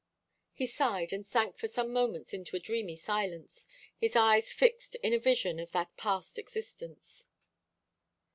He sighed, and sank for some moments into a dreamy silence, his eyes fixed in a vision of that past existence.